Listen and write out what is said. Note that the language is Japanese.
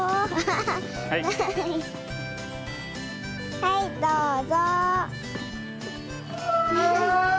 はいどうぞ。